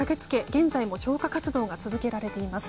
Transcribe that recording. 現在も消火活動が続けられています。